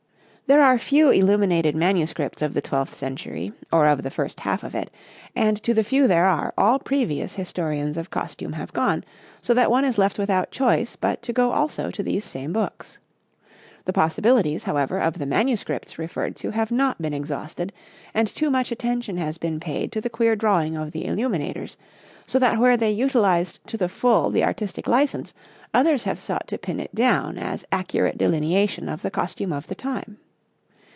There are few illuminated manuscripts of the twelfth century, or of the first half of it, and to the few there are all previous historians of costume have gone, so that one is left without choice but to go also to these same books. The possibilities, however, of the manuscripts referred to have not been exhausted, and too much attention has been paid to the queer drawing of the illuminators; so that where they utilized to the full the artistic license, others have sought to pin it down as accurate delineation of the costume of the time.